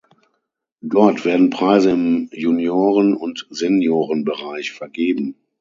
Dort werden Preise im Junioren- und Seniorenbereich vergeben.